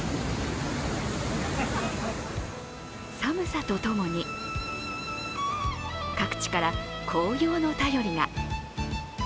寒さとともに、各地から紅葉の便りが。